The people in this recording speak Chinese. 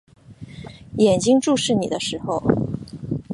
眼睛注视你的时候